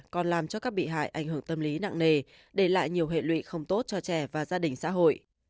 còn làm cho các bị hại ảnh hưởng tâm lý nặng nề để lại nhiều hệ lụy không tốt cho trẻ và gia đình xã hội